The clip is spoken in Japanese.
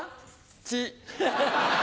血。